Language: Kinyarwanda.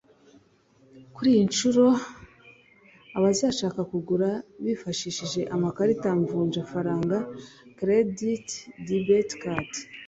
Kuri iyi nshuro abazashaka kugura bifashishize amakarita mvunjafaranga (Credit/debit card)